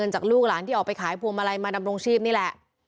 จากลูกหลานที่ออกไปขายพวงมาลัยมาดำรงชีพนี่แหละ